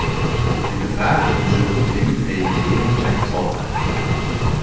De gevaren van zulke dwingende regulering zijn talrijk.